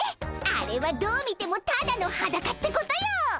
あれはどう見てもただのハダカってことよ！